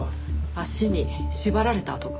足に縛られた痕が。